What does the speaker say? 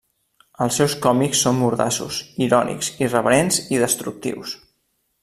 Els seus còmics són mordaços, irònics, irreverents i destructius.